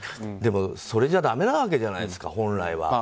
でも、それじゃだめなわけじゃないですか本来は。